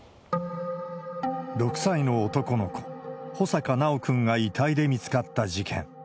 ６歳の男の子、穂坂修くんが遺体で見つかった事件。